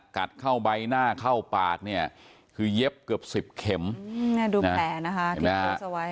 กัดเข้าใบหน้าเข้าปากคือเย็บเกือบสิบเข็มดูแผลนะคะ